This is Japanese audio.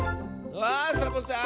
あサボさん